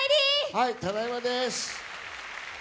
はい、ただいまです。